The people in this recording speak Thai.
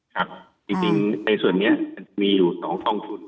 ครับจริงในส่วนนี้มีอยู่๒กองทุน